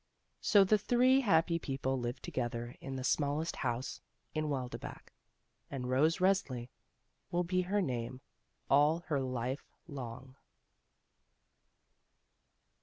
So the three happy people lived togetKer in the smallest house in Wildbach, and Rose Resli will be her name all her life long.